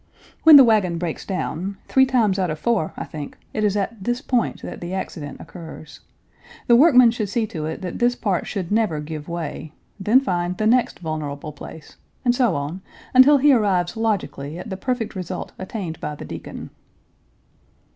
When the wagon breaks down, three times out of four, I think, it is at this point that the accident occurs. The workman should see to it that this part should never give way; then find the next vulnerable place, and so on, until he arrives logically at the perfect result attained by the deacon.